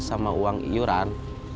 sama uang iuran